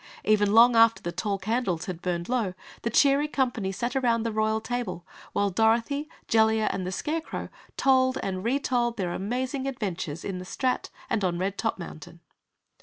Even long after the tall candles had burned low, the cheery company sat around the royal table while Dorothy, Jellia and the Scarecrow told and retold their amazing adventures in the Strat and on Red Top Mountain.